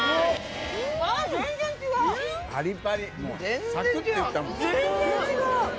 全然違う！